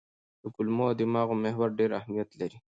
د کولمو او دماغ محور ډېر اهمیت لري.